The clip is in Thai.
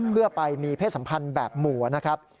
เพื่อไปมีเพศสัมพันธ์แบบหมู่นะครับ